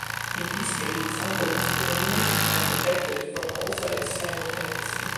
In this case the sample is illuminated and detected from all sides simultaneously.